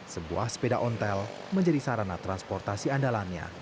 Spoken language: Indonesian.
sebuah sepeda ontel menjadi sarana transportasi andalannya